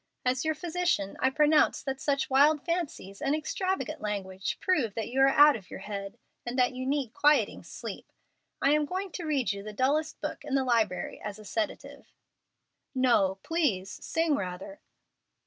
As your physician, I pronounce that such wild fancies and extravagant language prove that you are out of your head, and that you need quieting sleep. I am going to read you the dullest book in the library as a sedative." "No, please, sing rather."